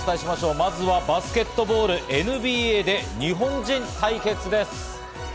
まずはバスケットボール、ＮＢＡで日本人対決です。